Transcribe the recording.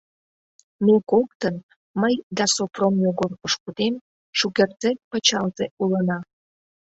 — Ме коктын — мый да Сопром Йогор пошкудем — шукертсек пычалзе улына...